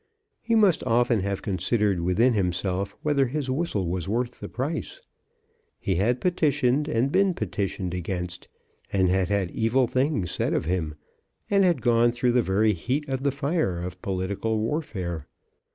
He must often have considered within himself whether his whistle was worth the price. He had petitioned and been petitioned against, and had had evil things said of him, and had gone through the very heat of the fire of political warfare.